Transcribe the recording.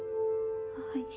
はい。